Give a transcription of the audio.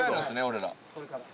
俺ら。